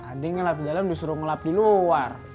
tadi ngelap di dalam disuruh ngelap di luar